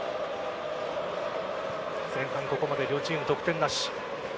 前半、ここまで両チーム得点なし。